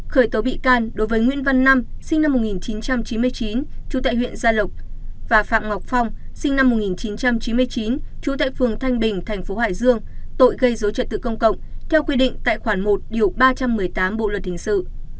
khởi tố bị can đối với nguyễn văn năm sinh năm một nghìn chín trăm chín mươi chín trú tại huyện gia lộc và phạm ngọc phong sinh năm một nghìn chín trăm chín mươi chín trú tại phường thanh bình tp hải dương tội gây dối trật tự công cộng theo quy định tại khoản một ba trăm một mươi tám bộ luật hình sự